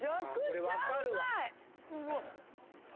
あこれ分かるわ。